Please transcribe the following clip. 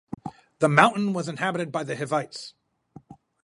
The mountain was inhabited by the Hivites.